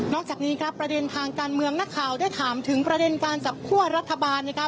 จากนี้ครับประเด็นทางการเมืองนักข่าวได้ถามถึงประเด็นการจับคั่วรัฐบาล